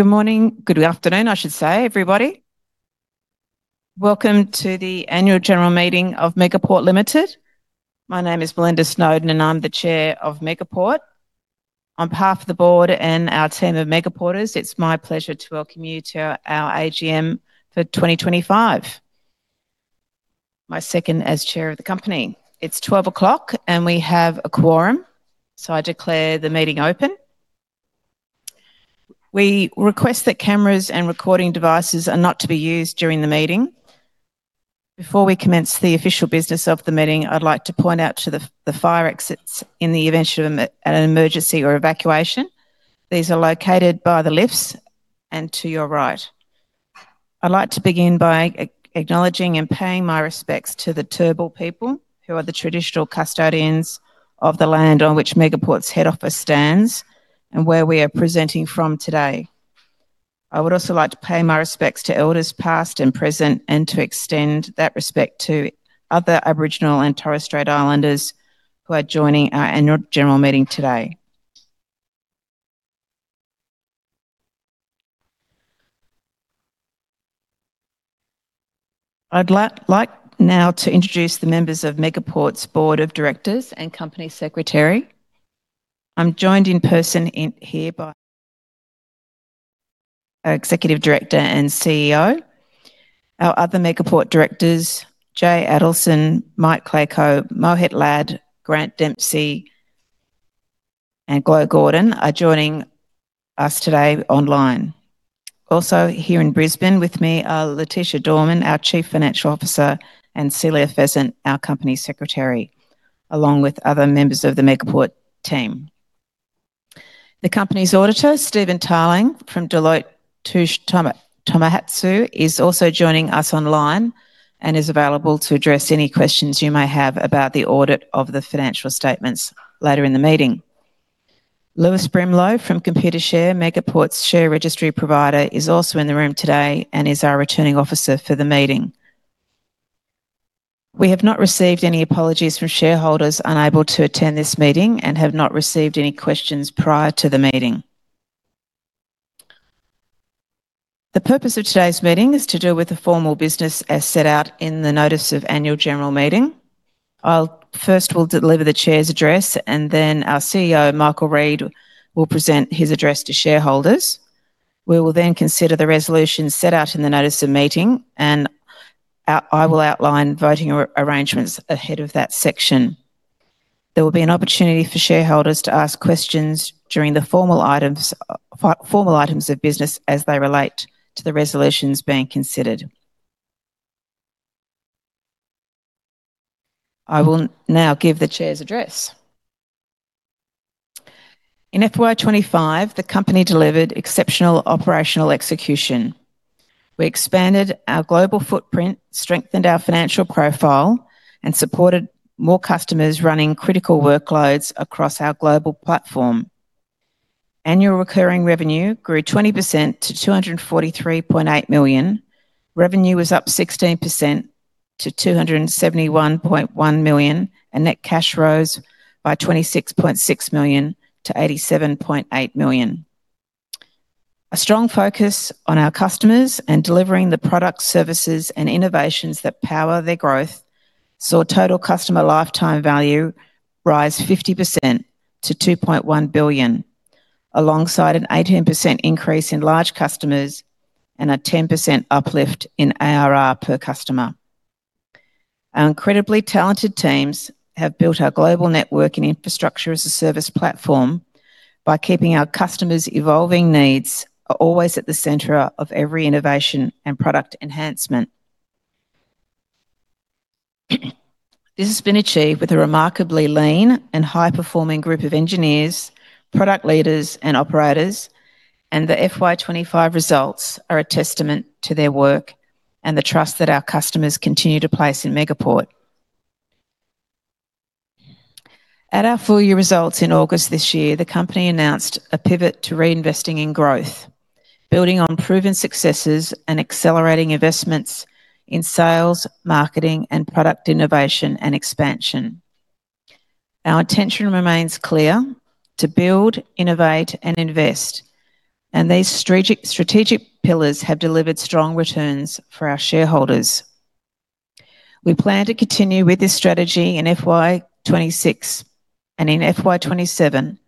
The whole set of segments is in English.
Good morning. Good afternoon, I should say, everybody. Welcome to the Annual General Meeting of Megaport Ltd. My name is Melinda Snowden, and I'm the Chair of Megaport. On behalf of the Board and our team of Megaporters, it's my pleasure to welcome you to our AGM for 2025, my second as Chair of the Company. It's 12:00, and we have a quorum, so I declare the meeting open. We request that cameras and recording devices are not to be used during the meeting. Before we commence the official business of the meeting, I'd like to point out the fire exits in the event of an emergency or evacuation. These are located by the lifts and to your right. I'd like to begin by acknowledging and paying my respects to the Turrbal people, who are the traditional custodians of the land on which Megaport's head office stands and where we are presenting from today. I would also like to pay my respects to Elders past and present, and to extend that respect to other Aboriginal and Torres Strait Islanders who are joining our Annual General Meeting today. I'd like now to introduce the members of Megaport's Board of Directors and Company Secretary. I'm joined in person here by our Executive Director and CEO. Our other Megaport Directors, Jay Adelson, Mike Klayko, Mohit Lad, Grant Dempsey, and Glo Gordon, are joining us today online. Also here in Brisbane with me are Leticia Dorman, our Chief Financial Officer, and Celia Pheasant, our Company Secretary, along with other members of the Megaport team. The Company's Auditor, Stephen Tarling from Deloitte Tohmatsu, is also joining us online and is available to address any questions you may have about the audit of the financial statements later in the meeting. Lewis Brimelow from Computershare, Megaport's share registry provider, is also in the room today and is our returning officer for the meeting. We have not received any apologies from shareholders unable to attend this meeting and have not received any questions prior to the meeting. The purpose of today's meeting is to do with the formal business as set out in the Notice of Annual General Meeting. First, we'll deliver the Chair's address, and then our CEO, Michael Reid, will present his address to shareholders. We will then consider the resolutions set out in the Notice of Meeting, and I will outline voting arrangements ahead of that section. There will be an opportunity for shareholders to ask questions during the formal items of business as they relate to the resolutions being considered. I will now give the Chair's address. In FY 2025, the Company delivered exceptional operational execution. We expanded our global footprint, strengthened our financial profile, and supported more customers running critical workloads across our global platform. Annual recurring revenue grew 20% to 243.8 million. Revenue was up 16% to 271.1 million, and net cash rose by 26.6 million to 87.8 million. A strong focus on our customers and delivering the products, services, and innovations that power their growth saw total customer lifetime value rise 50% to 2.1 billion, alongside an 18% increase in large customers and a 10% uplift in ARR per customer. Our incredibly talented teams have built our global network and infrastructure as a service platform by keeping our customers' evolving needs always at the center of every innovation and product enhancement. This has been achieved with a remarkably lean and high-performing group of engineers, product leaders, and operators, and the FY 2025 results are a testament to their work and the trust that our customers continue to place in Megaport. At our full-year results in August this year, the company announced a pivot to reinvesting in growth, building on proven successes and accelerating investments in sales, marketing, and product innovation and expansion. Our intention remains clear: to build, innovate, and invest, and these strategic pillars have delivered strong returns for our shareholders. We plan to continue with this strategy in FY 2026 and in FY 2027,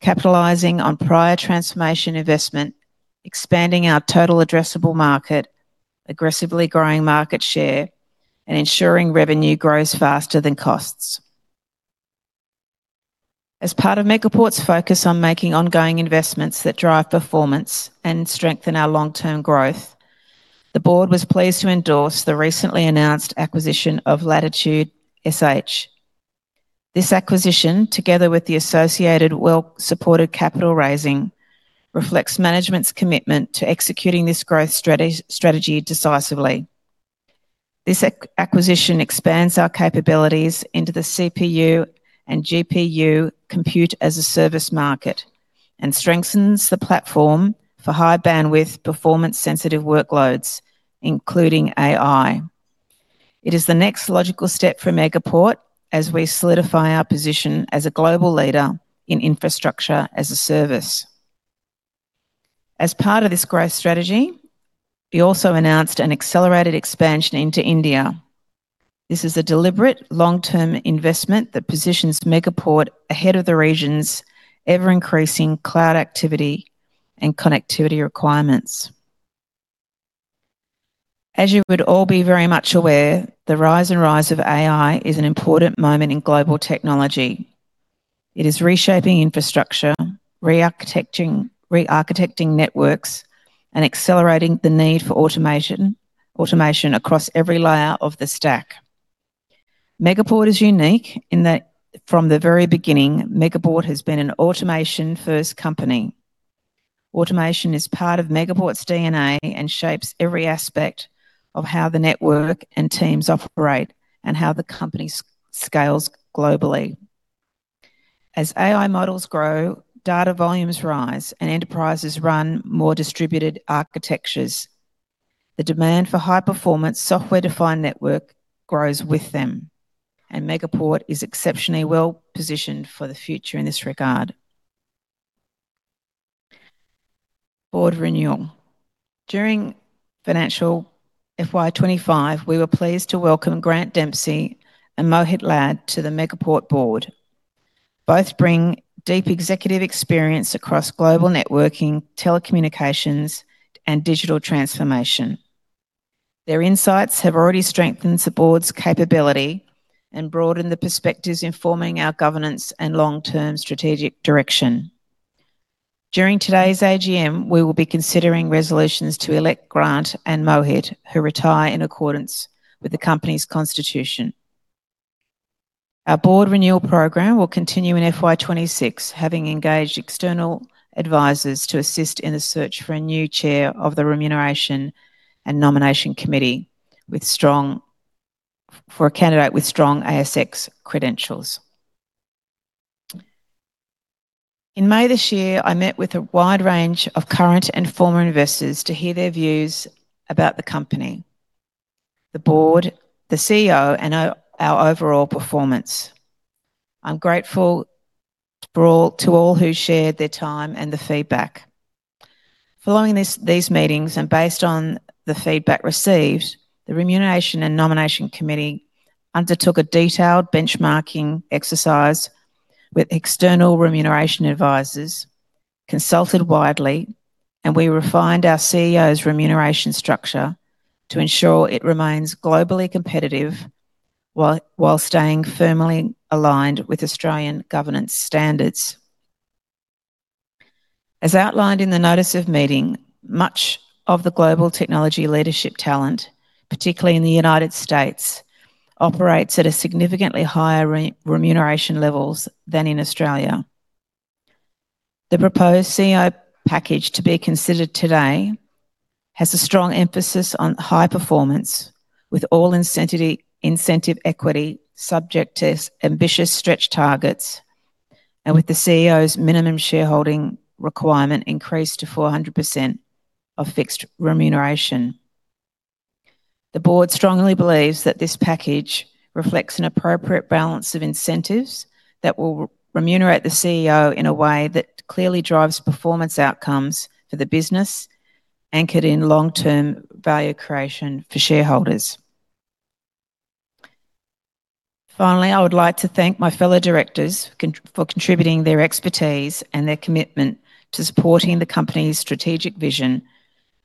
capitalizing on prior transformation investment, expanding our total addressable market, aggressively growing market share, and ensuring revenue grows faster than costs. As part of Megaport's focus on making ongoing investments that drive performance and strengthen our long-term growth, the Board was pleased to endorse the recently announced acquisition of Latitude.sh. This acquisition, together with the associated well-supported capital raising, reflects management's commitment to executing this growth strategy decisively. This acquisition expands our capabilities into the CPU and GPU compute-as-a-service market and strengthens the platform for high-bandwidth, performance-sensitive workloads, including AI. It is the next logical step for Megaport as we solidify our position as a global leader in infrastructure as a service. As part of this growth strategy, we also announced an accelerated expansion into India. This is a deliberate long-term investment that positions Megaport ahead of the region's ever-increasing cloud activity and connectivity requirements. As you would all be very much aware, the rise and rise of AI is an important moment in global technology. It is reshaping infrastructure, re-architecting networks, and accelerating the need for automation across every layer of the stack. Megaport is unique in that from the very beginning, Megaport has been an automation-first company. Automation is part of Megaport's DNA and shapes every aspect of how the network and teams operate and how the Company scales globally. As AI models grow, data volumes rise, and enterprises run more distributed architectures. The demand for high-performance, software-defined network grows with them, and Megaport is exceptionally well positioned for the future in this regard. Board Renewal. During Financial FY 2025, we were pleased to welcome Grant Dempsey and Mohit Lad to the Megaport Board. Both bring deep executive experience across global networking, telecommunications, and digital transformation. Their insights have already strengthened the Board's capability and broadened the perspectives informing our governance and long-term strategic direction. During today's AGM, we will be considering resolutions to elect Grant and Mohit, who retire in accordance with the Company's constitution. Our Board Renewal program will continue in FY 2026, having engaged external advisors to assist in the search for a new Chair of the Remuneration and Nomination Committee for a candidate with strong ASX credentials. In May this year, I met with a wide range of current and former investors to hear their views about the Company, the Board, the CEO, and our overall performance. I'm grateful to all who shared their time and the feedback. Following these meetings and based on the feedback received, the Remuneration and Nomination Committee undertook a detailed benchmarking exercise with external remuneration advisors, consulted widely, and we refined our CEO's remuneration structure to ensure it remains globally competitive while staying firmly aligned with Australian governance standards. As outlined in the Notice of Meeting, much of the global technology leadership talent, particularly in the United States, operates at significantly higher remuneration levels than in Australia. The proposed CEO package to be considered today has a strong emphasis on high performance, with all incentive equity subject to ambitious stretch targets, and with the CEO's minimum shareholding requirement increased to 400% of fixed remuneration. The Board strongly believes that this package reflects an appropriate balance of incentives that will remunerate the CEO in a way that clearly drives performance outcomes for the business, anchored in long-term value creation for shareholders. Finally, I would like to thank my fellow Directors for contributing their expertise and their commitment to supporting the Company's strategic vision,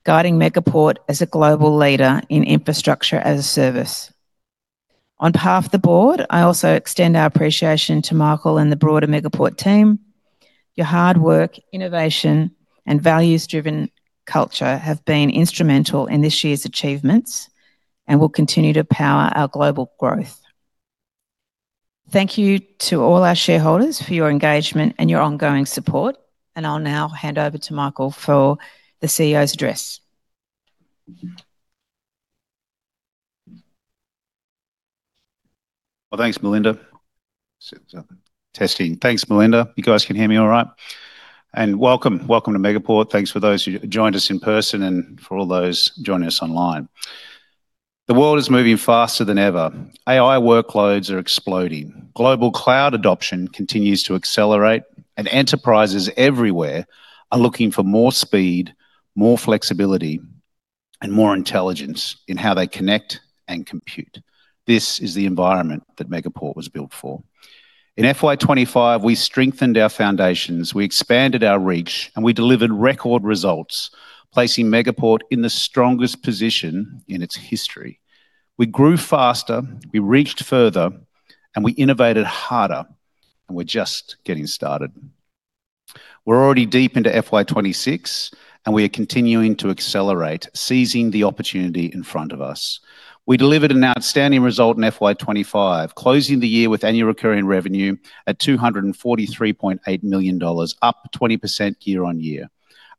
guiding Megaport as a global leader in infrastructure as a service. On behalf of the Board, I also extend our appreciation to Michael and the broader Megaport team. Your hard work, innovation, and values-driven culture have been instrumental in this year's achievements and will continue to power our global growth. Thank you to all our shareholders for your engagement and your ongoing support, and I'll now hand over to Michael for the CEO's address. Thanks, Melinda. Testing. Thanks, Melinda. You guys can hear me all right? Welcome, welcome to Megaport. Thanks for those who joined us in person and for all those joining us online. The world is moving faster than ever. AI workloads are exploding. Global cloud adoption continues to accelerate, and enterprises everywhere are looking for more speed, more flexibility, and more intelligence in how they connect and compute. This is the environment that Megaport was built for. In FY 2025, we strengthened our foundations, we expanded our reach, and we delivered record results, placing Megaport in the strongest position in its history. We grew faster, we reached further, and we innovated harder, and we're just getting started. We're already deep into FY 2026, and we are continuing to accelerate, seizing the opportunity in front of us. We delivered an outstanding result in FY 2025, closing the year with annual recurring revenue at 243.8 million dollars, up 20% year on year.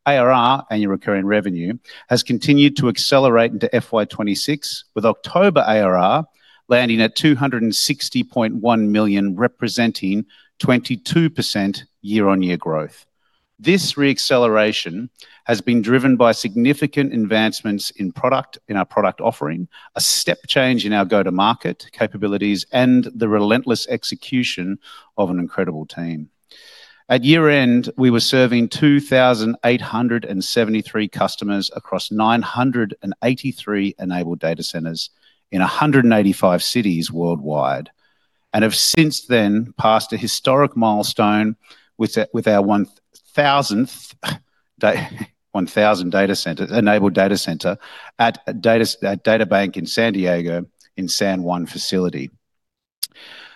ARR, annual recurring revenue, has continued to accelerate into FY 2026, with October ARR landing at 260.1 million, representing 22% year-on-year growth. This re-acceleration has been driven by significant advancements in our product offering, a step change in our go-to-market capabilities, and the relentless execution of an incredible team. At year-end, we were serving 2,873 customers across 983 enabled data centers in 185 cities worldwide and have since then passed a historic milestone with our 1,000th enabled data center at Databank in San Diego in San Juan facility.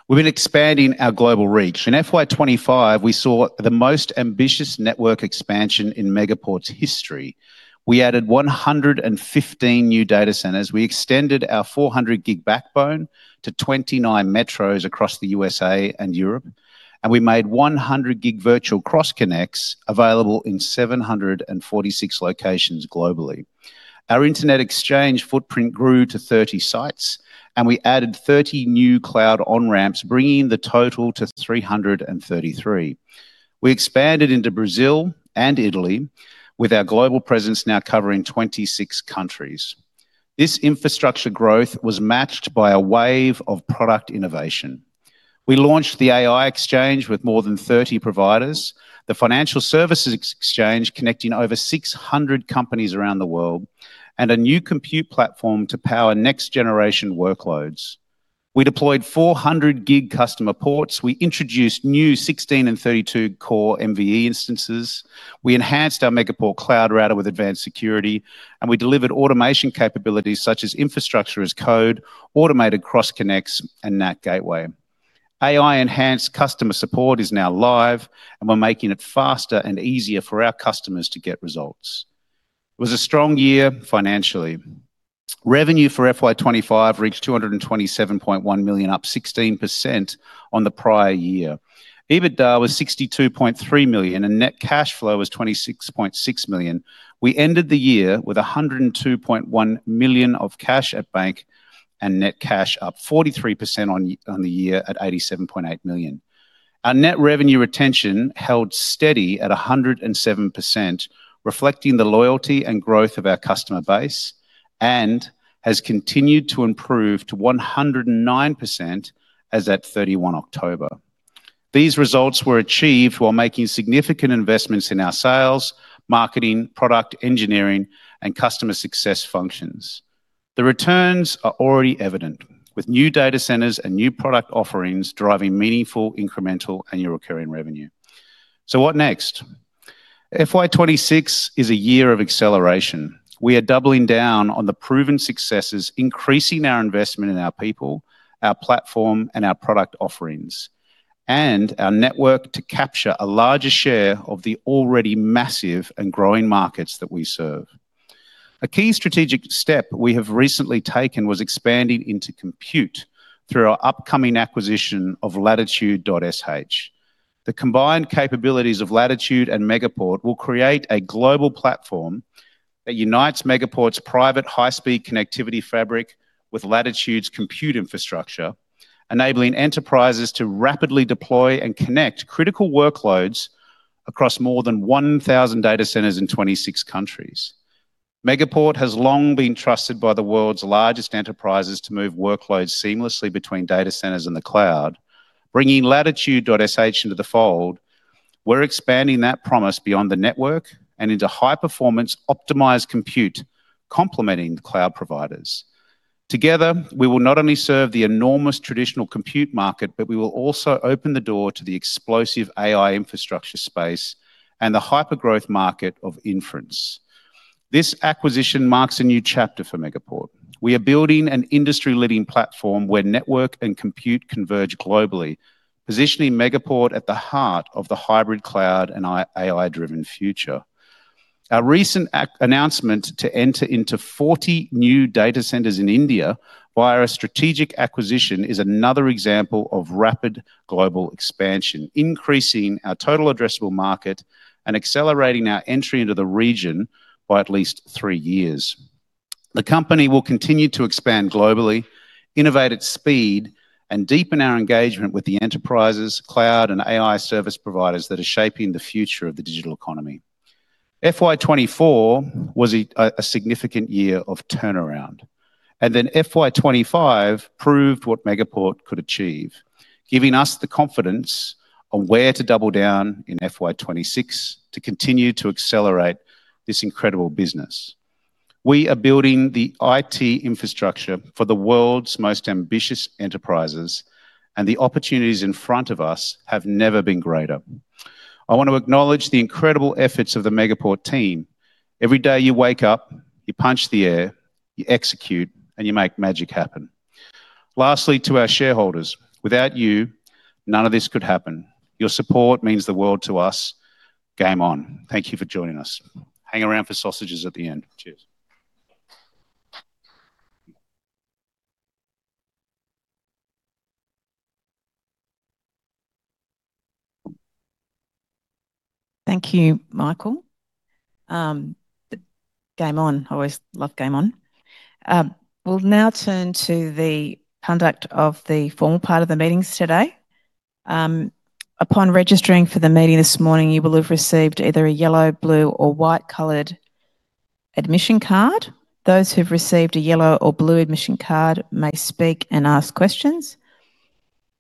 We have been expanding our global reach. In FY 2025, we saw the most ambitious network expansion in Megaport's history. We added 115 new data centers. We extended our 400-gig backbone to 29 metros across the USA and Europe, and we made 100-gig virtual cross-connects available in 746 locations globally. Our Internet Exchange footprint grew to 30 sites, and we added 30 new cloud on-ramps, bringing the total to 333. We expanded into Brazil and Italy, with our global presence now covering 26 countries. This infrastructure growth was matched by a wave of product innovation. We launched the AI Exchange with more than 30 providers, the Financial Services Exchange connecting over 600 companies around the world, and a new Compute Platform to power next-generation workloads. We deployed 400-gig customer Ports. We introduced new 16 and 32-core MVE Instances. We enhanced our Megaport Cloud Router with advanced security, and we delivered automation capabilities such as Infrastructure as Code, Automated Cross-Connects, and NAT Gateway. AI-enhanced customer support is now live, and we're making it faster and easier for our customers to get results. It was a strong year financially. Revenue for FY 2025 reached 227.1 million, up 16% on the prior year. EBITDA was 62.3 million, and net cash flow was 26.6 million. We ended the year with 102.1 million of cash at bank and net cash up 43% on the year at 87.8 million. Our net revenue retention held steady at 107%, reflecting the loyalty and growth of our customer base, and has continued to improve to 109% as of 31 October. These results were achieved while making significant investments in our sales, marketing, product engineering, and customer success functions. The returns are already evident, with new data centers and new product offerings driving meaningful incremental annual recurring revenue. FY 2026 is a year of acceleration. We are doubling down on the proven successes, increasing our investment in our people, our platform, our product offerings, and our network to capture a larger share of the already massive and growing markets that we serve. A key strategic step we have recently taken was expanding into compute through our upcoming acquisition of Latitude.sh. The combined capabilities of Latitude and Megaport will create a global platform that unites Megaport's private high-speed connectivity fabric with Latitude's compute infrastructure, enabling enterprises to rapidly deploy and connect critical workloads across more than 1,000 data centers in 26 countries. Megaport has long been trusted by the world's largest enterprises to move workloads seamlessly between data centers and the cloud. Bringing Latitude.sh into the fold, we're expanding that promise beyond the network and into high-performance, optimized compute, complementing cloud providers. Together, we will not only serve the enormous traditional compute market, but we will also open the door to the explosive AI infrastructure space and the hyper-growth market of inference. This acquisition marks a new chapter for Megaport. We are building an industry-leading platform where network and compute converge globally, positioning Megaport at the heart of the hybrid cloud and AI-driven future. Our recent announcement to enter into 40 new data centers in India via a strategic acquisition is another example of rapid global expansion, increasing our total addressable market and accelerating our entry into the region by at least three years. The Company will continue to expand globally, innovate at speed, and deepen our engagement with the enterprises, cloud, and AI service providers that are shaping the future of the digital economy. FY 2024 was a significant year of turnaround, and then FY 2025 proved what Megaport could achieve, giving us the confidence on where to double down in FY 2026 to continue to accelerate this incredible business. We are building the IT infrastructure for the world's most ambitious enterprises, and the opportunities in front of us have never been greater. I want to acknowledge the incredible efforts of the Megaport team. Every day you wake up, you punch the air, you execute, and you make magic happen. Lastly, to our shareholders, without you, none of this could happen. Your support means the world to us. Game on. Thank you for joining us. Hang around for sausages at the end. Cheers. Thank you, Michael. Game on. I always love game on. We'll now turn to the conduct of the formal part of the meetings today. Upon registering for the meeting this morning, you will have received either a yellow, blue, or white-colored admission card. Those who have received a yellow or blue admission card may speak and ask questions.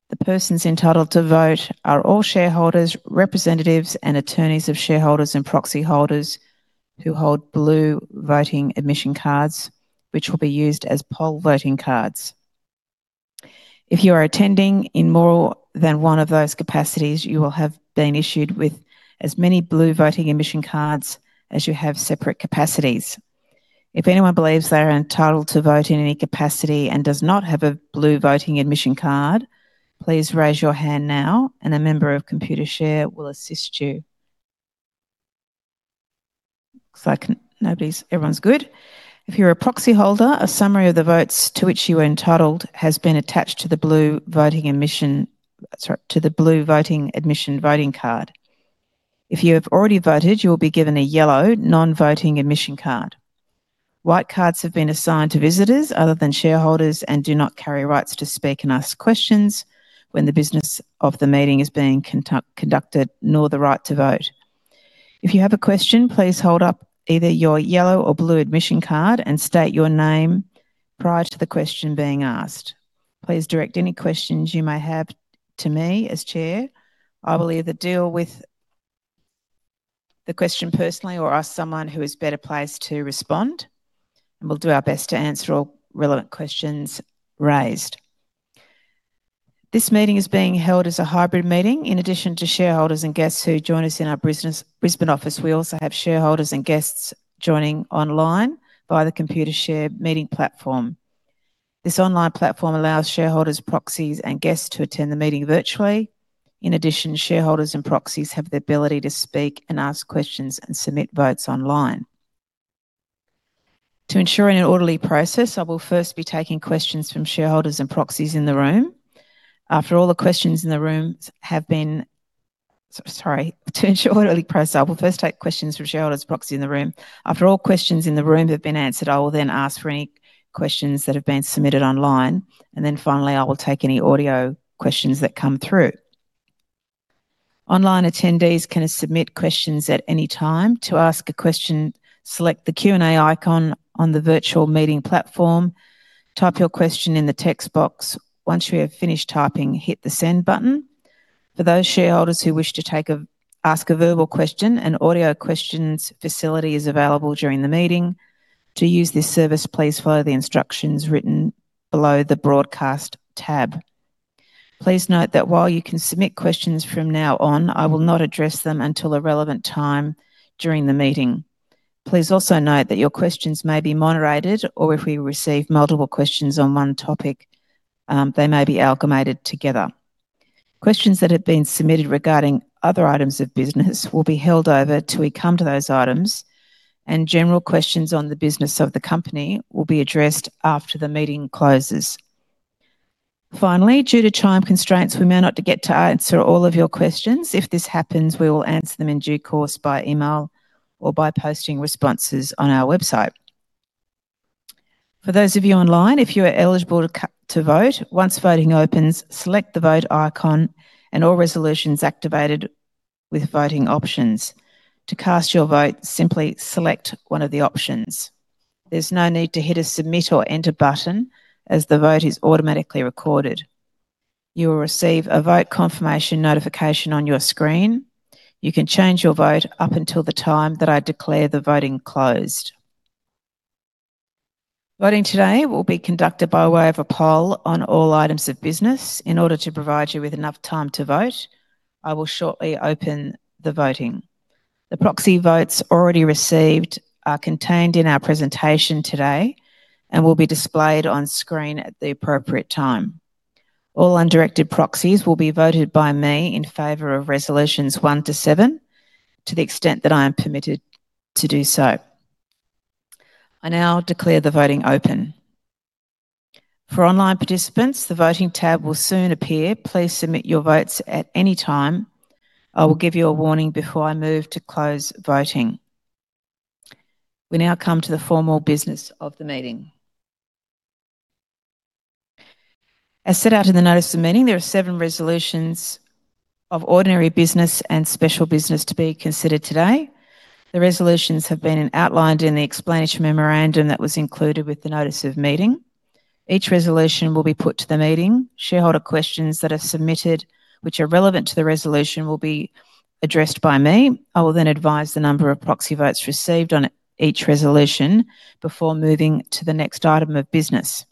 The persons entitled to vote are all shareholders, representatives, and attorneys of shareholders and proxy holders who hold blue voting admission cards, which will be used as poll voting cards. If you are attending in more than one of those capacities, you will have been issued with as many blue voting admission cards as you have separate capacities. If anyone believes they are entitled to vote in any capacity and does not have a blue voting admission card, please raise your hand now, and a member of Computershare will assist you. Looks like everyone's good. If you're a proxy holder, a summary of the votes to which you are entitled has been attached to the blue voting admission voting card. If you have already voted, you will be given a yellow non-voting admission card. White cards have been assigned to visitors other than shareholders and do not carry rights to speak and ask questions when the business of the meeting is being conducted, nor the right to vote. If you have a question, please hold up either your yellow or blue admission card and state your name prior to the question being asked. Please direct any questions you may have to me as Chair. I will either deal with the question personally or ask someone who is better placed to respond, and we'll do our best to answer all relevant questions raised. This meeting is being held as a hybrid meeting. In addition to shareholders and guests who join us in our Brisbane office, we also have shareholders and guests joining online via the Computershare meeting platform. This online platform allows shareholders, proxies, and guests to attend the meeting virtually. In addition, shareholders and proxies have the ability to speak and ask questions and submit votes online. To ensure an orderly process, I will first be taking questions from shareholders and proxies in the room. After all the questions in the room have been—sorry, to ensure an orderly process, I will first take questions from shareholders and proxies in the room. After all questions in the room have been answered, I will then ask for any questions that have been submitted online, and then finally, I will take any audio questions that come through. Online attendees can submit questions at any time. To ask a question, select the Q&A icon on the virtual meeting platform. Type your question in the text box. Once you have finished typing, hit the send button. For those shareholders who wish to ask a verbal question, an audio questions facility is available during the meeting. To use this service, please follow the instructions written below the broadcast tab. Please note that while you can submit questions from now on, I will not address them until a relevant time during the meeting. Please also note that your questions may be moderated, or if we receive multiple questions on one topic, they may be alchemied together. Questions that have been submitted regarding other items of business will be held over till we come to those items, and general questions on the business of the Company will be addressed after the meeting closes. Finally, due to time constraints, we may not get to answer all of your questions. If this happens, we will answer them in due course by email or by posting responses on our website. For those of you online, if you are eligible to vote, once voting opens, select the vote icon, and all resolutions are activated with voting options. To cast your vote, simply select one of the options. There's no need to hit a submit or enter button, as the vote is automatically recorded. You will receive a vote confirmation notification on your screen. You can change your vote up until the time that I declare the voting closed. Voting today will be conducted by way of a poll on all items of business. In order to provide you with enough time to vote, I will shortly open the voting. The proxy votes already received are contained in our presentation today and will be displayed on screen at the appropriate time. All undirected proxies will be voted by me in favor of resolutions one to seven, to the extent that I am permitted to do so. I now declare the voting open. For online participants, the voting tab will soon appear. Please submit your votes at any time. I will give you a warning before I move to close voting. We now come to the formal business of the meeting. As set out in the notice of meeting, there are seven resolutions of ordinary business and special business to be considered today. The resolutions have been outlined in the explanatory memorandum that was included with the notice of meeting. Each resolution will be put to the meeting. Shareholder questions that are submitted, which are relevant to the resolution, will be addressed by me. I will then advise the number of proxy votes received on each resolution before moving to the next item of business.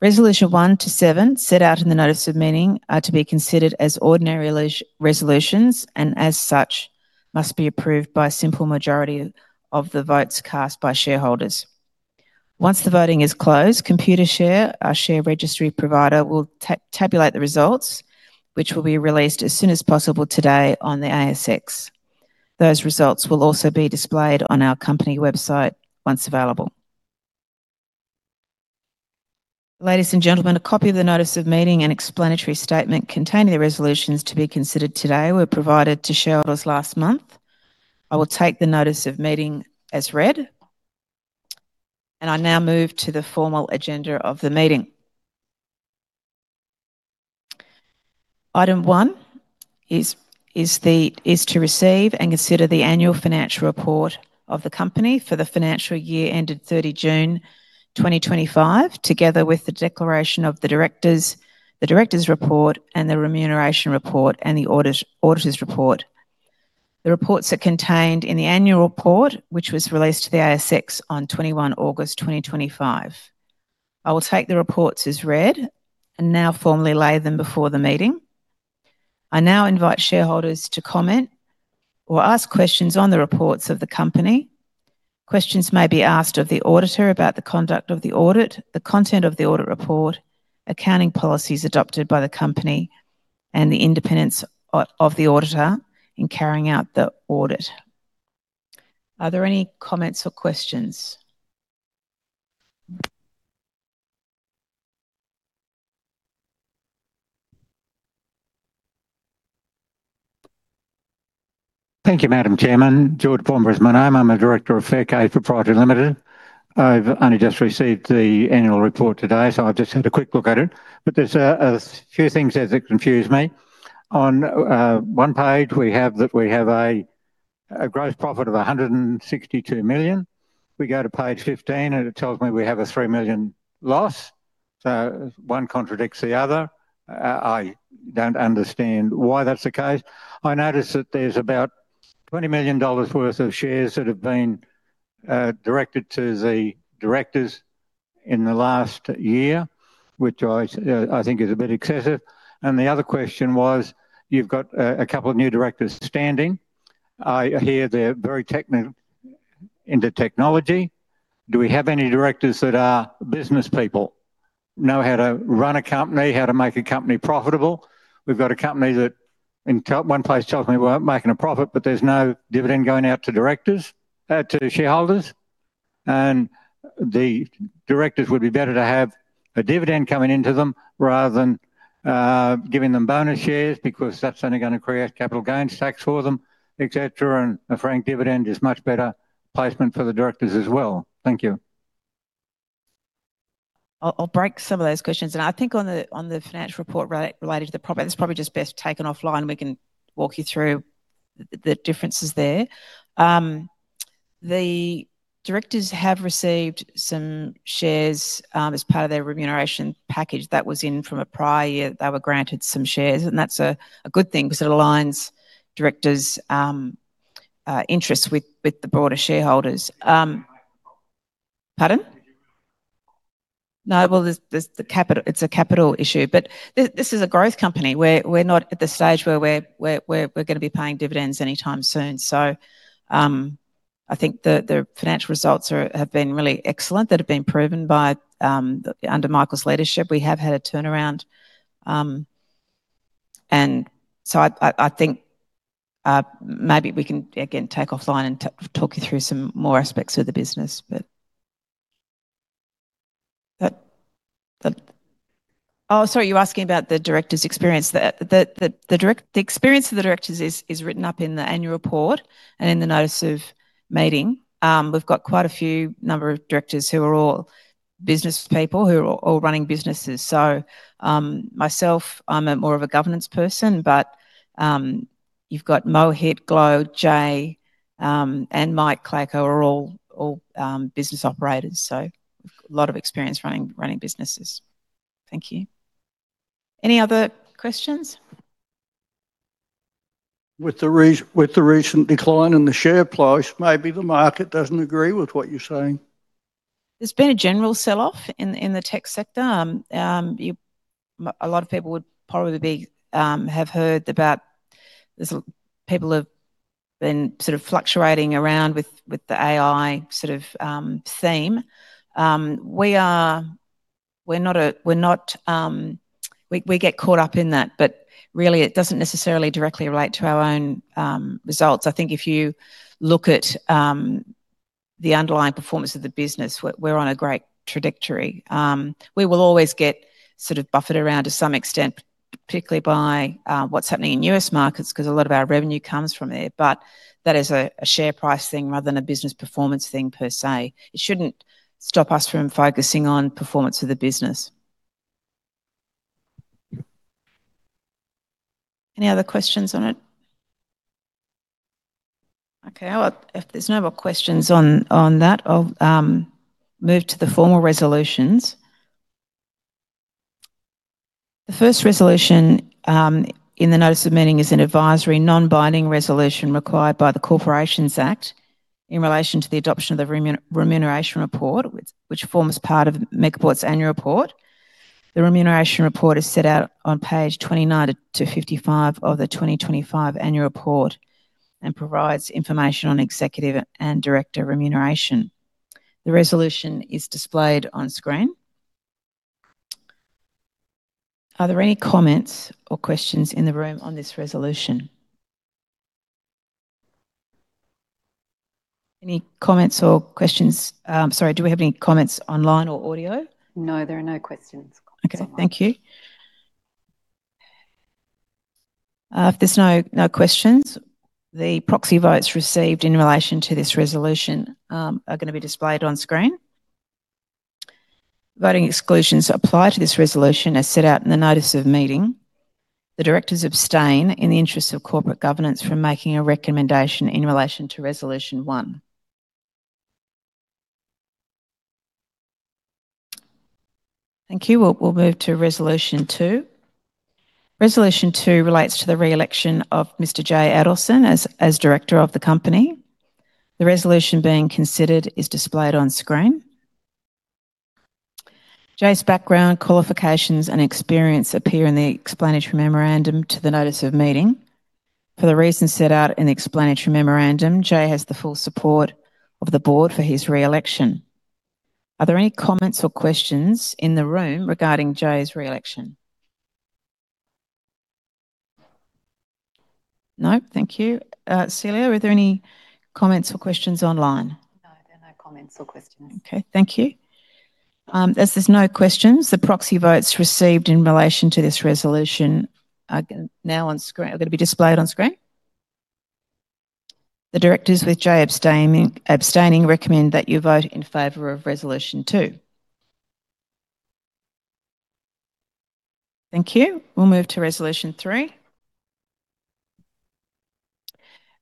Resolution one to seven, set out in the notice of meeting, are to be considered as ordinary resolutions, and as such, must be approved by a simple majority of the votes cast by shareholders. Once the voting is closed, Computershare, our share registry provider, will tabulate the results, which will be released as soon as possible today on the ASX. Those results will also be displayed on our company website once available. Ladies and gentlemen, a copy of the notice of meeting and explanatory statement containing the resolutions to be considered today were provided to shareholders last month. I will take the notice of meeting as read, and I now move to the formal agenda of the meeting. Item one is to receive and consider the annual financial report of the Company for the financial year ended 30 June 2025, together with the declaration of the directors, the directors' report, and the remuneration report and the auditor's report. The reports are contained in the annual report, which was released to the ASX on 21 August 2025. I will take the reports as read and now formally lay them before the meeting. I now invite shareholders to comment or ask questions on the reports of the Company. Questions may be asked of the auditor about the conduct of the audit, the content of the audit report, accounting policies adopted by the Company, and the independence of the auditor in carrying out the audit. Are there any comments or questions? Thank you, Madam Chairman. George Former is my name. I'm a Director of Faircade Proprietary Limited. I've only just received the annual report today, so I've just had a quick look at it. There's a few things there that confuse me. On one page, we have that we have a gross profit of 162 million. We go to page 15, and it tells me we have an 3 million loss. One contradicts the other. I don't understand why that's the case. I notice that there's about 20 million dollars worth of shares that have been directed to the directors in the last year, which I think is a bit excessive. The other question was, you've got a couple of new directors standing. I hear they're very into technology. Do we have any directors that are business people, know how to run a company, how to make a company profitable? We've got a company that in one place tells me we're making a profit, but there's no dividend going out to shareholders. The directors would be better to have a dividend coming into them rather than giving them bonus shares because that's only going to create capital gains tax for them, etc. A frank dividend is a much better placement for the directors as well. Thank you. I'll break some of those questions. I think on the financial report related to the property, it's probably just best taken offline. We can walk you through the differences there. The directors have received some shares as part of their remuneration package that was in from a prior year that they were granted some shares. That's a good thing because it aligns directors' interests with the broader shareholders. Pardon? No, it's a capital issue. This is a growth company. We're not at the stage where we're going to be paying dividends anytime soon. I think the financial results have been really excellent. That has been proven under Michael's leadership. We have had a turnaround. I think maybe we can again take offline and talk you through some more aspects of the business. Oh, sorry, you're asking about the directors' experience. The experience of the directors is written up in the annual report and in the notice of meeting. We've got quite a few number of directors who are all business people who are all running businesses. Myself, I'm more of a governance person, but you've got Mohit, Glo, Jay, and Mike Klayko are all business operators. A lot of experience running businesses. Thank you. Any other questions? With the recent decline in the share price, maybe the market doesn't agree with what you're saying. There's been a general sell-off in the tech sector. A lot of people would probably have heard about people have been sort of fluctuating around with the AI sort of theme. We're not—we get caught up in that, but really, it doesn't necessarily directly relate to our own results. I think if you look at the underlying performance of the business, we're on a great trajectory. We will always get sort of buffered around to some extent, particularly by what's happening in US markets because a lot of our revenue comes from there. That is a share price thing rather than a business performance thing per se. It shouldn't stop us from focusing on performance of the business. Any other questions on it? Okay. If there's no more questions on that, I'll move to the formal resolutions. The first resolution in the notice of meeting is an advisory non-binding resolution required by the Corporations Act in relation to the adoption of the remuneration report, which forms part of Megaport's annual report. The remuneration report is set out on page 29 to 55 of the 2025 annual report and provides information on executive and director remuneration. The resolution is displayed on screen. Are there any comments or questions in the room on this resolution? Any comments or questions? Sorry, do we have any comments online or audio? No, there are no questions. Okay. Thank you. If there's no questions, the proxy votes received in relation to this resolution are going to be displayed on screen. Voting exclusions apply to this resolution as set out in the notice of meeting. The directors abstain in the interest of corporate governance from making a recommendation in relation to resolution one. Thank you. We'll move to resolution two. Resolution two relates to the re-election of Mr. Jay Adelson as director of the Company. The resolution being considered is displayed on screen. Jay's background, qualifications, and experience appear in the explanatory memorandum to the notice of meeting. For the reasons set out in the explanatory memorandum, Jay has the full support of the board for his re-election. Are there any comments or questions in the room regarding Jay's re-election? No? Thank you. Celia, were there any comments or questions online? No, there are no comments or questions. Okay. Thank you. As there's no questions, the proxy votes received in relation to this resolution are now on screen. Are going to be displayed on screen. The directors, with Jay abstaining, recommend that you vote in favour of resolution two. Thank you. We'll move to resolution three.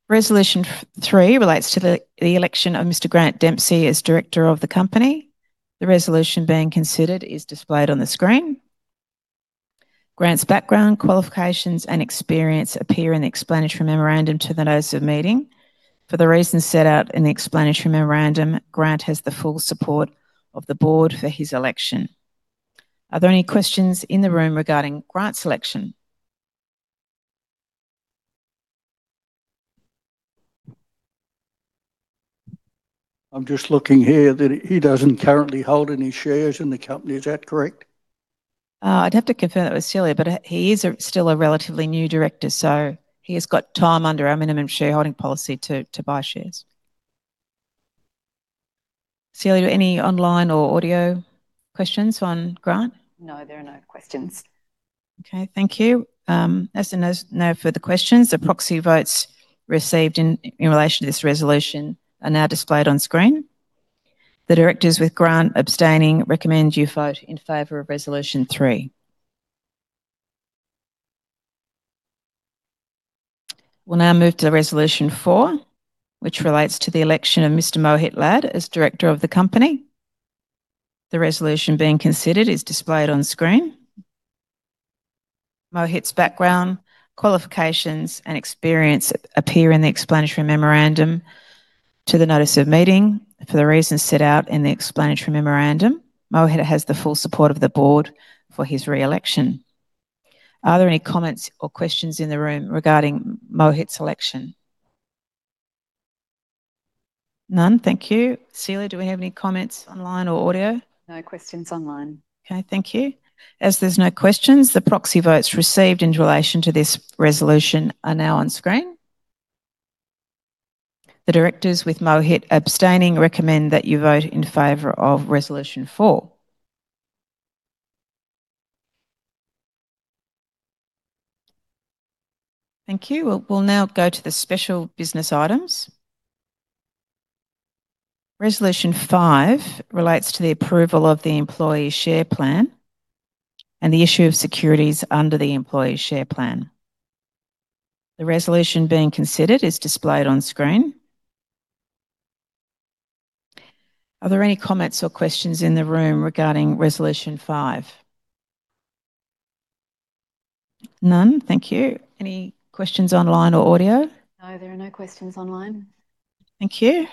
Resolution three relates to the election of Mr. Grant Dempsey as Director of the Company. The resolution being considered is displayed on the screen. Grant's background, qualifications, and experience appear in the explanatory memorandum to the notice of meeting. For the reasons set out in the explanatory memorandum, Grant has the full support of the board for his election. Are there any questions in the room regarding Grant's election? I'm just looking here that he doesn't currently hold any shares in the company. Is that correct? I'd have to confirm that with Celia, but he is still a relatively new director, so he has got time under our minimum shareholding policy to buy shares. Celia, any online or audio questions on Grant? No, there are no questions. Okay. Thank you. As there's no further questions, the proxy votes received in relation to this resolution are now displayed on screen. The directors, with Grant abstaining, recommend you vote in favour of resolution three. We'll now move to resolution four, which relates to the election of Mr. Mohit Lad as director of the Company. The resolution being considered is displayed on screen. Mohit's background, qualifications, and experience appear in the explanatory memorandum to the notice of meeting for the reasons set out in the explanatory memorandum. Mohit has the full support of the board for his re-election. Are there any comments or questions in the room regarding Mohit's election? None? Thank you. Celia, do we have any comments online or audio? No questions online. Okay. Thank you. As there's no questions, the proxy votes received in relation to this resolution are now on screen. The directors, with Mohit abstaining, recommend that you vote in favor of resolution four. Thank you. We'll now go to the special business items. Resolution five relates to the approval of the employee share plan and the issue of securities under the employee share plan. The resolution being considered is displayed on screen. Are there any comments or questions in the room regarding resolution five? None? Thank you. Any questions online or audio? No, there are no questions online. Thank you.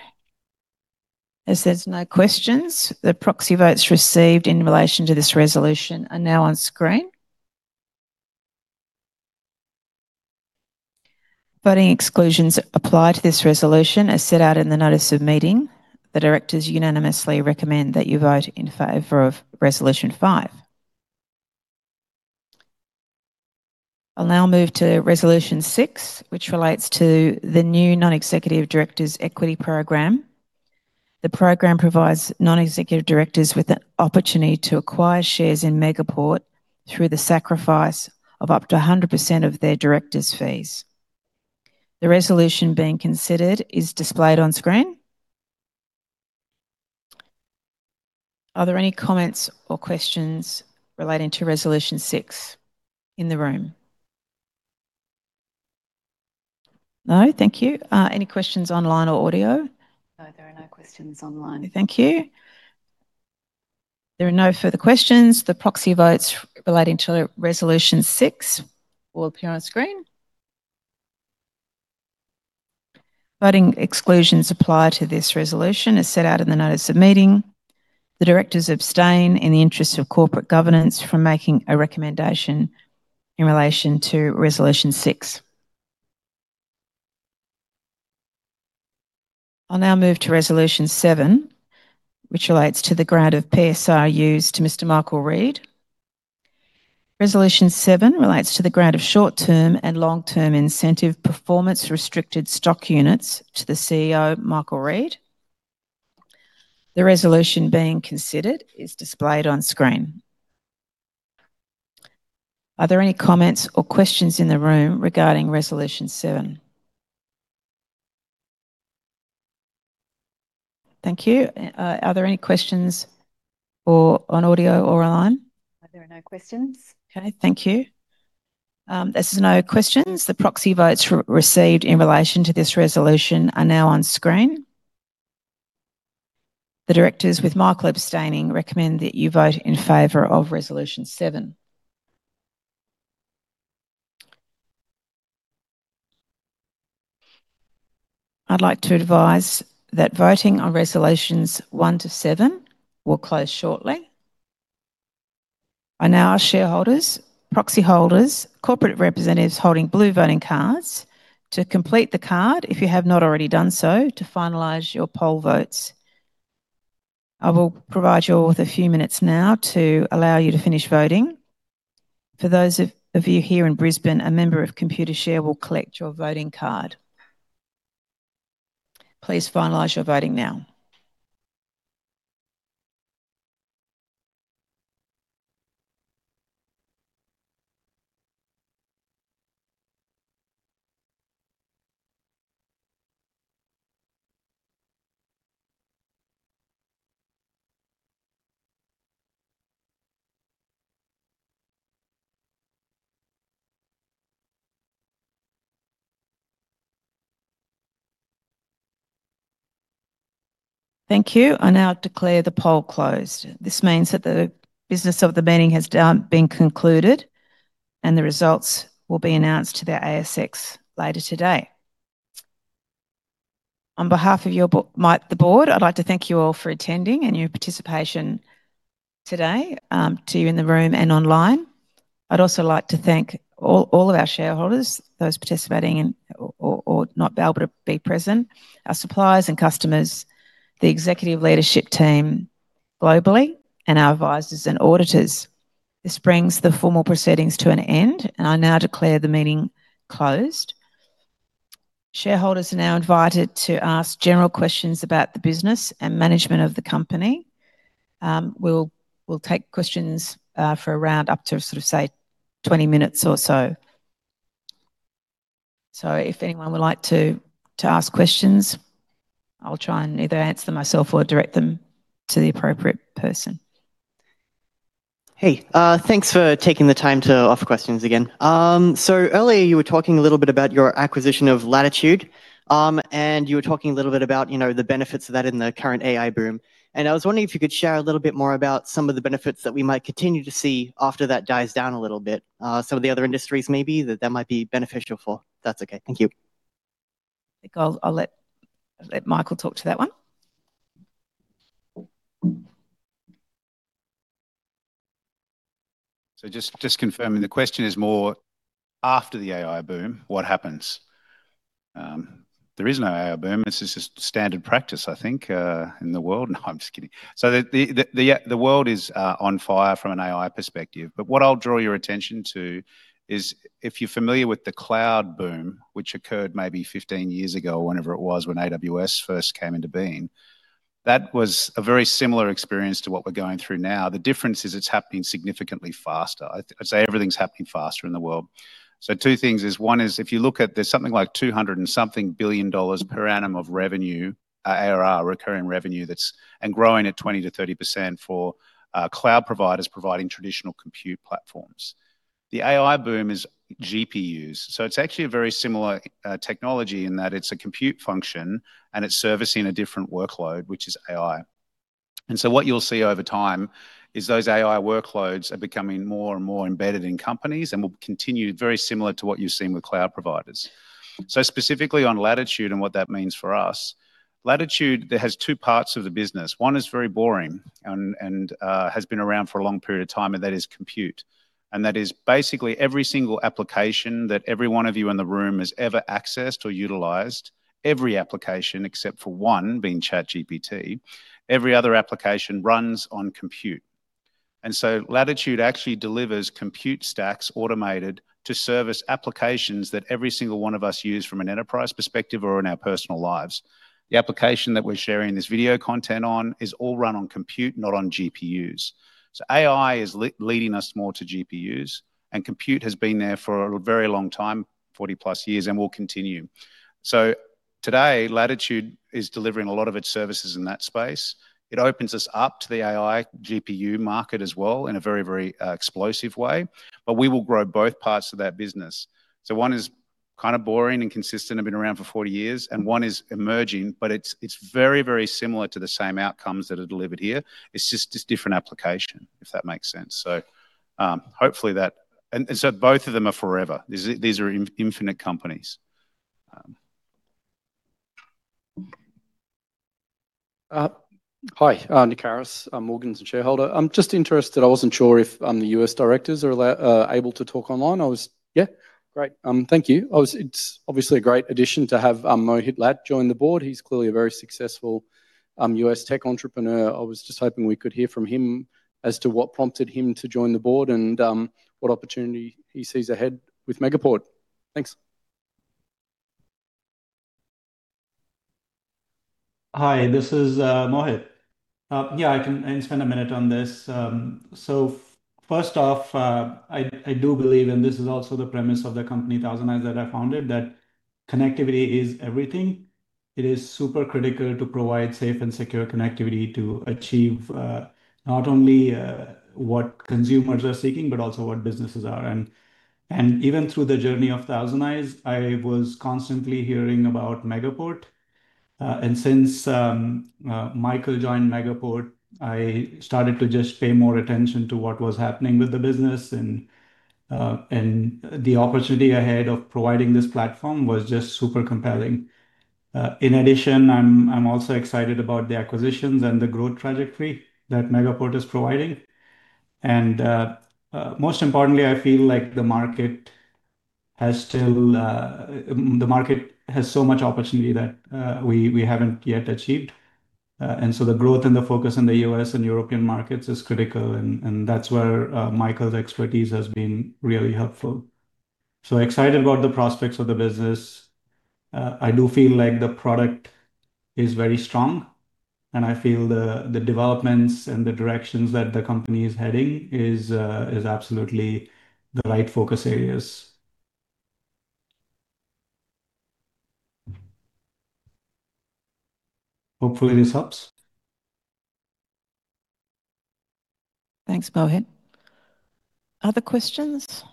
As there's no questions, the proxy votes received in relation to this resolution are now on screen. Voting exclusions apply to this resolution as set out in the notice of meeting. The directors unanimously recommend that you vote in favor of resolution five. I'll now move to resolution six, which relates to the new non-executive directors' equity program. The program provides non-executive directors with an opportunity to acquire shares in Megaport through the sacrifice of up to 100% of their directors' fees. The resolution being considered is displayed on screen. Are there any comments or questions relating to resolution six in the room? No? Thank you. Any questions online or audio? No, there are no questions online. Thank you. There are no further questions. The proxy votes relating to resolution six will appear on screen. Voting exclusions apply to this resolution as set out in the notice of meeting. The directors abstain in the interest of corporate governance from making a recommendation in relation to resolution six. I'll now move to resolution seven, which relates to the grant of PSR used to Mr. Michael Reid. Resolution seven relates to the grant of short-term and long-term incentive performance-restricted stock units to the CEO, Michael Reid. The resolution being considered is displayed on screen. Are there any comments or questions in the room regarding resolution seven? Thank you. Are there any questions on audio or online? There are no questions. Okay. Thank you. As there are no questions, the proxy votes received in relation to this resolution are now on screen. The directors, with Michael abstaining, recommend that you vote in favor of resolution seven. I'd like to advise that voting on resolutions one to seven will close shortly. I now ask shareholders, proxy holders, corporate representatives holding blue voting cards to complete the card if you have not already done so to finalize your poll votes. I will provide you all with a few minutes now to allow you to finish voting. For those of you here in Brisbane, a member of Computershare will collect your voting card. Please finalize your voting now. Thank you. I now declare the poll closed. This means that the business of the meeting has been concluded and the results will be announced to the ASX later today. On behalf of the board, I'd like to thank you all for attending and your participation today to you in the room and online. I'd also like to thank all of our shareholders, those participating or not be able to be present, our suppliers and customers, the executive leadership team globally, and our advisors and auditors. This brings the formal proceedings to an end, and I now declare the meeting closed. Shareholders are now invited to ask general questions about the business and management of the company. We'll take questions for around up to, sort of say, 20 minutes or so. If anyone would like to ask questions, I'll try and either answer them myself or direct them to the appropriate person. Hey, thanks for taking the time to ask questions again. Earlier, you were talking a little bit about your acquisition of Latitude, and you were talking a little bit about the benefits of that in the current AI boom. I was wondering if you could share a little bit more about some of the benefits that we might continue to see after that dies down a little bit, some of the other industries maybe that that might be beneficial for. If that's okay. Thank you. I'll let Michael talk to that one. Just confirming the question is more after the AI boom, what happens? There is no AI boom. This is just standard practice, I think, in the world. No, I'm just kidding. The world is on fire from an AI perspective. What I'll draw your attention to is if you're familiar with the cloud boom, which occurred maybe 15 years ago, whenever it was, when AWS first came into being, that was a very similar experience to what we're going through now. The difference is it's happening significantly faster. I'd say everything's happening faster in the world. Two things is one is if you look at there's something like 200 and something billion dollars per annum of revenue, ARR, recurring revenue, and growing at 20%-30% for cloud providers providing traditional compute platforms. The AI boom is GPUs. It's actually a very similar technology in that it's a compute function and it's servicing a different workload, which is AI. What you'll see over time is those AI workloads are becoming more and more embedded in companies and will continue very similar to what you've seen with cloud providers. Specifically on Latitude and what that means for us, Latitude has two parts of the business. One is very boring and has been around for a long period of time, and that is compute. That is basically every single application that every one of you in the room has ever accessed or utilized, every application except for one being ChatGPT, every other application runs on compute. Latitude actually delivers compute stacks automated to service applications that every single one of us use from an enterprise perspective or in our personal lives. The application that we're sharing this video content on is all run on compute, not on GPUs. AI is leading us more to GPUs, and compute has been there for a very long time, 40 plus years, and will continue. Today, Latitude is delivering a lot of its services in that space. It opens us up to the AI GPU market as well in a very, very explosive way. We will grow both parts of that business. One is kind of boring and consistent and been around for 40 years, and one is emerging, but it's very, very similar to the same outcomes that are delivered here. It's just a different application, if that makes sense. Hopefully that and both of them are forever. These are infinite companies. Hi, Nick Harris, Morgans shareholder. I'm just interested. I wasn't sure if the US directors are able to talk online. I was, yeah, great. Thank you. It's obviously a great addition to have Mohit Lad join the board. He's clearly a very successful US tech entrepreneur. I was just hoping we could hear from him as to what prompted him to join the board and what opportunity he sees ahead with Megaport. Thanks. Hi, this is Mohit. Yeah, I can spend a minute on this. First off, I do believe, and this is also the premise of the company ThousandEyes that I founded, that connectivity is everything. It is super critical to provide safe and secure connectivity to achieve not only what consumers are seeking, but also what businesses are. Even through the journey of ThousandEyes, I was constantly hearing about Megaport. Since Michael joined Megaport, I started to just pay more attention to what was happening with the business, and the opportunity ahead of providing this platform was just super compelling. In addition, I'm also excited about the acquisitions and the growth trajectory that Megaport is providing. Most importantly, I feel like the market has so much opportunity that we haven't yet achieved. The growth and the focus in the U.S. and European markets is critical, and that's where Michael's expertise has been really helpful. Excited about the prospects of the business. I do feel like the product is very strong, and I feel the developments and the directions that the company is heading is absolutely the right focus areas. Hopefully, this helps. Thanks, Mohit. Other questions?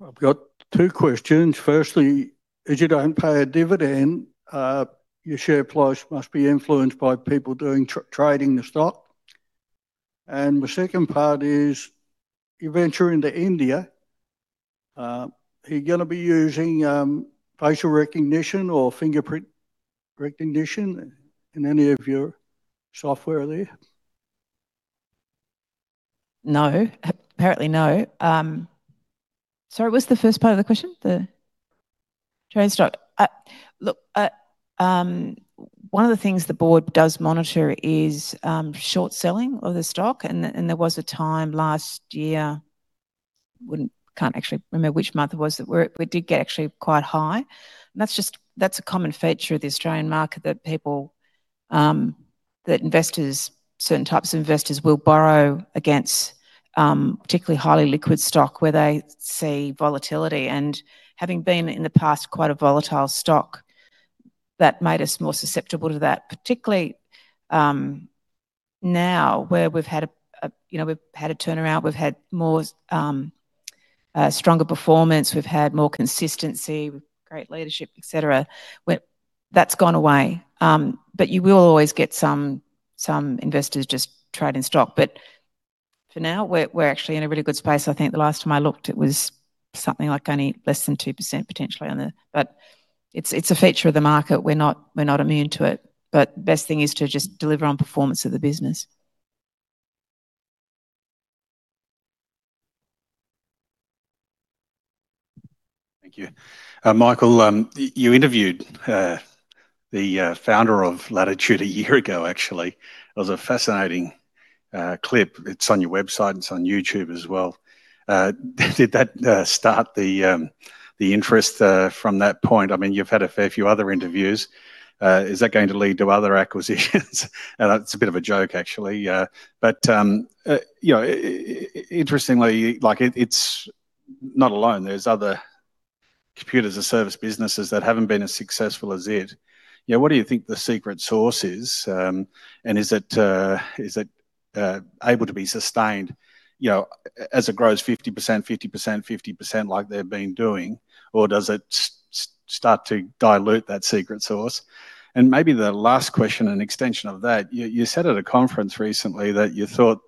I've got three questions. Firstly, is it an impact dividend? Your share price must be influenced by people doing trading the stock. The second part is eventually into India, are you going to be using facial recognition or fingerprint recognition in any of your software there? No. Apparently, no. Sorry, what's the first part of the question? The train stop. Look, one of the things the board does monitor is short selling of the stock. There was a time last year, can't actually remember which month it was, that we did get actually quite high. That's a common feature of the Australian market that investors, certain types of investors, will borrow against particularly highly liquid stock where they see volatility. Having been in the past quite a volatile stock, that made us more susceptible to that. Particularly now where we've had a turnaround, we've had more stronger performance, we've had more consistency, great leadership, etc., that's gone away. You will always get some investors just trading stock. For now, we're actually in a really good space. I think the last time I looked, it was something like only less than 2% potentially. It is a feature of the market. We're not immune to it. The best thing is to just deliver on performance of the business. Thank you. Michael, you interviewed the founder of Latitude a year ago, actually. It was a fascinating clip. It's on your website. It's on YouTube as well. Did that start the interest from that point? I mean, you've had a fair few other interviews. Is that going to lead to other acquisitions? That's a bit of a joke, actually. Interestingly, it's not alone. There are other compute and service businesses that haven't been as successful as it. What do you think the secret sauce is? And is it able to be sustained as it grows 50%, 50%, 50% like they've been doing, or does it start to dilute that secret sauce? Maybe the last question, an extension of that, you said at a conference recently that you thought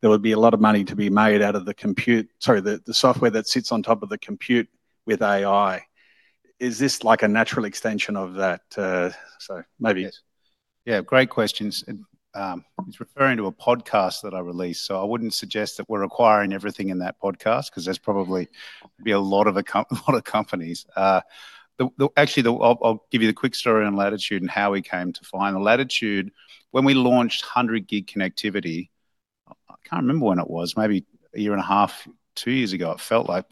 there would be a lot of money to be made out of the compute, sorry, the software that sits on top of the compute with AI. Is this like a natural extension of that? So maybe. Yes. Yeah, great questions. He's referring to a podcast that I released, so I wouldn't suggest that we're acquiring everything in that podcast because there's probably a lot of companies. Actually, I'll give you the quick story on Latitude and how we came to find Latitude. When we launched 100-gig connectivity, I can't remember when it was, maybe a year and a half, two years ago, it felt like.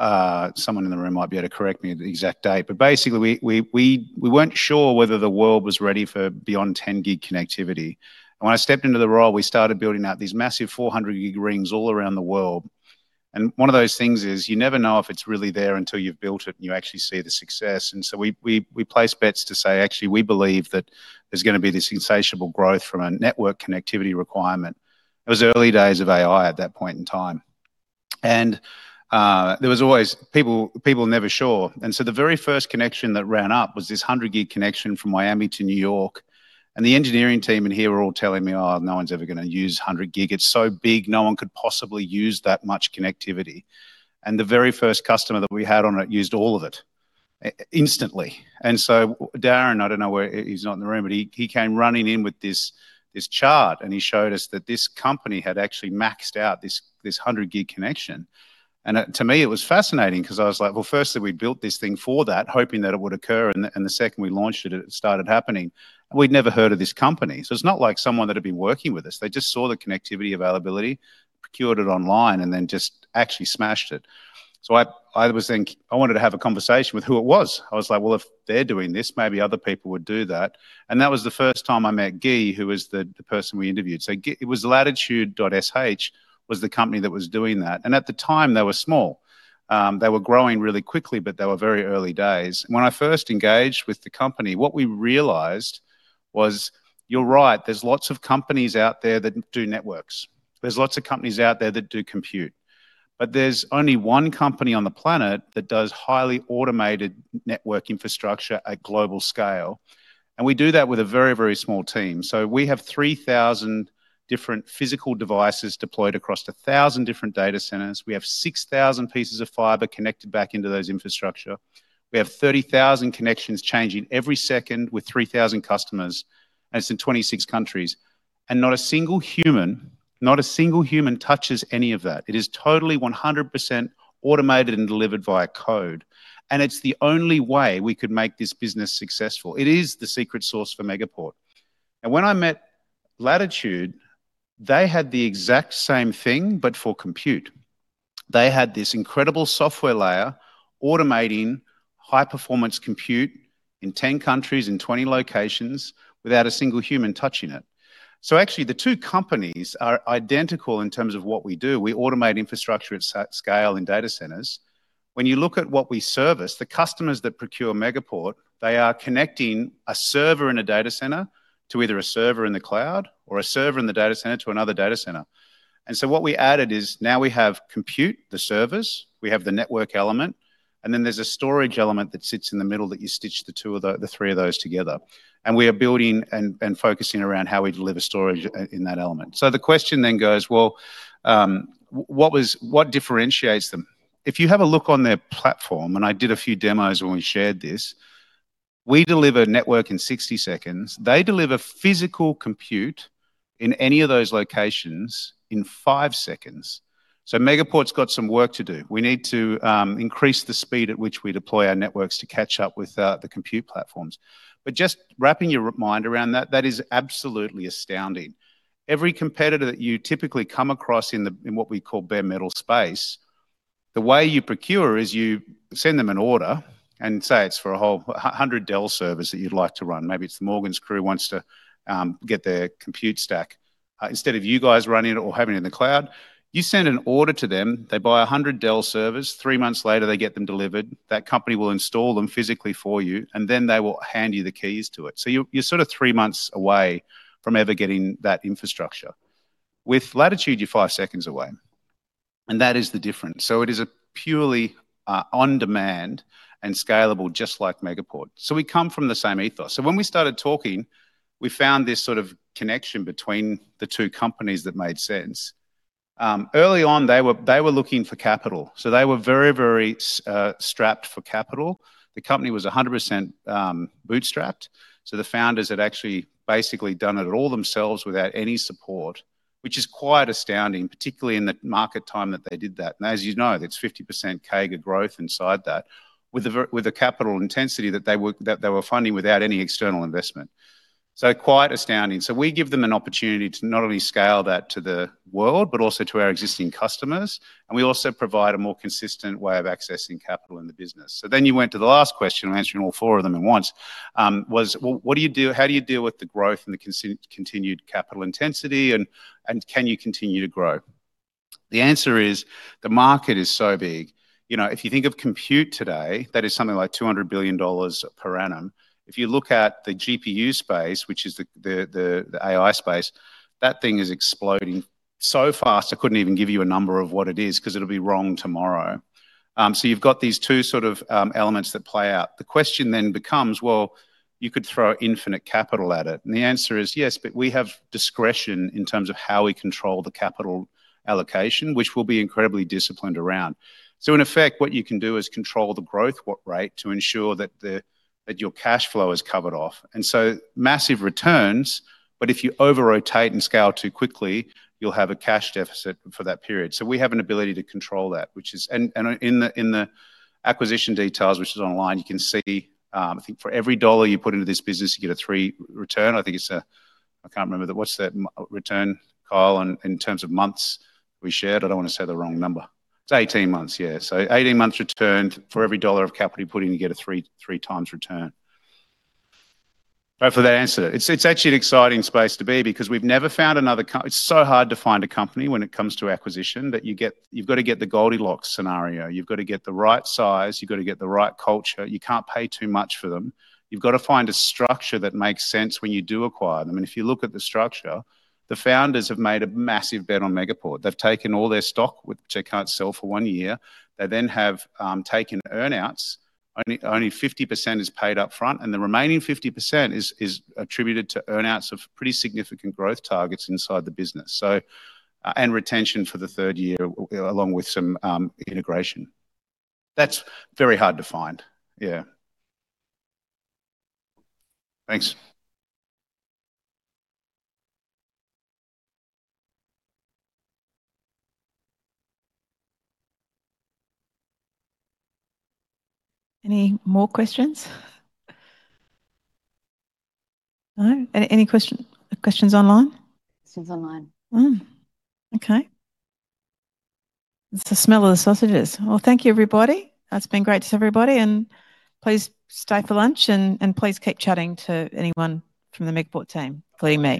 Someone in the room might be able to correct me at the exact date. Basically, we weren't sure whether the world was ready for beyond 10-gig connectivity. When I stepped into the role, we started building out these massive 400-gig rings all around the world. One of those things is you never know if it's really there until you've built it and you actually see the success. We placed bets to say, actually, we believe that there's going to be this insatiable growth from a network connectivity requirement. It was early days of AI at that point in time. There was always people never sure. The very first connection that ran up was this 100-gig connection from Miami to New York. The engineering team in here were all telling me, "Oh, no one's ever going to use 100 gig. It's so big. No one could possibly use that much connectivity." The very first customer that we had on it used all of it instantly. Darren, I don't know where he's not in the room, but he came running in with this chart and he showed us that this company had actually maxed out this 100-gig connection. To me, it was fascinating because I was like, "Firstly, we built this thing for that, hoping that it would occur, and the second we launched it, it started happening." We had never heard of this company. It is not like someone that had been working with us. They just saw the connectivity availability, procured it online, and then just actually smashed it. I was thinking I wanted to have a conversation with who it was. I was like, "If they are doing this, maybe other people would do that." That was the first time I met Guy, who was the person we interviewed. Latitude.sh was the company that was doing that. At the time, they were small. They were growing really quickly, but they were very early days. When I first engaged with the company, what we realized was, you're right, there's lots of companies out there that do networks. There's lots of companies out there that do compute. But there's only one company on the planet that does highly automated network infrastructure at global scale. We do that with a very, very small team. We have 3,000 different physical devices deployed across 1,000 different data centers. We have 6,000 pieces of fiber connected back into those infrastructure. We have 30,000 connections changing every second with 3,000 customers. It is in 26 countries. Not a single human, not a single human touches any of that. It is totally 100% automated and delivered via code. It is the only way we could make this business successful. It is the secret sauce for Megaport. When I met Latitude, they had the exact same thing, but for compute. They had this incredible software layer automating high-performance compute in 10 countries, in 20 locations, without a single human touching it. Actually, the two companies are identical in terms of what we do. We automate infrastructure at scale in data centers. When you look at what we service, the customers that procure Megaport, they are connecting a server in a data center to either a server in the cloud or a server in the data center to another data center. What we added is now we have compute, the servers, we have the network element, and then there is a storage element that sits in the middle that you stitch the three of those together. We are building and focusing around how we deliver storage in that element. The question then goes, well, what differentiates them? If you have a look on their platform, and I did a few demos when we shared this, we deliver network in 60 seconds. They deliver physical compute in any of those locations in five seconds. So Megaport's got some work to do. We need to increase the speed at which we deploy our networks to catch up with the compute platforms. Just wrapping your mind around that, that is absolutely astounding. Every competitor that you typically come across in what we call bare metal space, the way you procure is you send them an order and say it's for a whole 100 Dell servers that you'd like to run. Maybe it's the Morgans crew who wants to get their compute stack. Instead of you guys running it or having it in the cloud, you send an order to them. They buy 100 Dell servers. Three months later, they get them delivered. That company will install them physically for you, and then they will hand you the keys to it. You are sort of three months away from ever getting that infrastructure. With Latitude, you are five seconds away. That is the difference. It is purely on-demand and scalable, just like Megaport. We come from the same ethos. When we started talking, we found this sort of connection between the two companies that made sense. Early on, they were looking for capital. They were very, very strapped for capital. The company was 100% bootstrapped. The founders had actually basically done it all themselves without any support, which is quite astounding, particularly in the market time that they did that. As you know, it's 50% CAGR growth inside that with the capital intensity that they were funding without any external investment. Quite astounding. We give them an opportunity to not only scale that to the world, but also to our existing customers. We also provide a more consistent way of accessing capital in the business. You went to the last question, answering all four of them at once. What do you do? How do you deal with the growth and the continued capital intensity? Can you continue to grow? The answer is the market is so big. If you think of compute today, that is something like $200 billion per annum. If you look at the GPU space, which is the AI space, that thing is exploding so fast. I couldn't even give you a number of what it is because it'll be wrong tomorrow. You have these two sort of elements that play out. The question then becomes, well, you could throw infinite capital at it. The answer is yes, but we have discretion in terms of how we control the capital allocation, which we'll be incredibly disciplined around. In effect, what you can do is control the growth, what rate, to ensure that your cash flow is covered off. Massive returns, but if you overrotate and scale too quickly, you'll have a cash deficit for that period. We have an ability to control that, which is in the acquisition details, which is online. You can see, I think for every dollar you put into this business, you get a three return. I think it's a, I can't remember the, what's that return, Kyle, in terms of months we shared? I don't want to say the wrong number. It's 18 months, yeah. 18 months returned for every dollar of capital you put in, you get a three times return. Hopefully, that answered it. It's actually an exciting space to be because we've never found another. It's so hard to find a company when it comes to acquisition that you've got to get the Goldilocks scenario. You've got to get the right size. You've got to get the right culture. You can't pay too much for them. You've got to find a structure that makes sense when you do acquire them. If you look at the structure, the founders have made a massive bet on Megaport. They've taken all their stock, which they can't sell for one year. They then have taken earnings. Only 50% is paid upfront, and the remaining 50% is attributed to earnings of pretty significant growth targets inside the business and retention for the third year, along with some integration. That's very hard to find. Yeah. Thanks. Any more questions? No? Any questions online? Questions online. Okay. It's the smell of the sausages. Thank you, everybody. That's been great to everybody. Please stay for lunch and please keep chatting to anyone from the Megaport team before leaving.